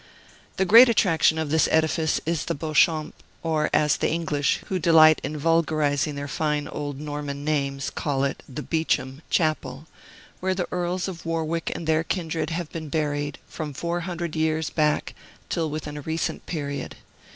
The great attraction of this edifice is the Beauchamp (or, as the English, who delight in vulgarizing their fine old Norman names, call it, the Beechum) Chapel, where the Earls of Warwick and their kindred have been buried, from four hundred years back till within a recent period.